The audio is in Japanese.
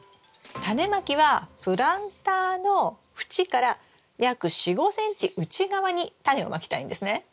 タネまきはプランターの縁から約４５ｃｍ内側にタネをまきたいんですね。